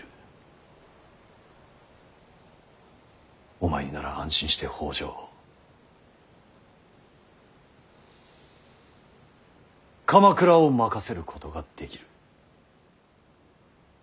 お前になら安心して北条を鎌倉を任せることができる。